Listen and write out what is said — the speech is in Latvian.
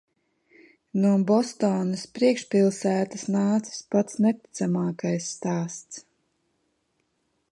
No Bostonas priekšpilsētas nācis pats neticamākais stāsts.